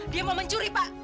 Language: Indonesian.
dia mau mencuri pak